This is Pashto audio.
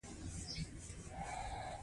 که داسې پایله ولري نو دا یو لوی بریالیتوب دی.